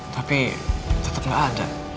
tapi tetep gak ada